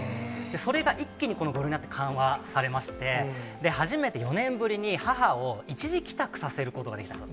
それが一気にこの５類になって緩和されまして、初めて４年ぶりに、母を一時帰宅させることができたんです。